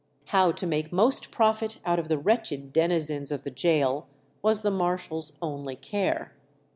How to make most profit out of the wretched denizens of the gaol was the marshal's only care.